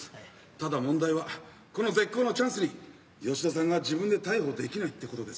ただ問題はこの絶好のチャンスに吉田さんが自分で逮捕できないってことですよ。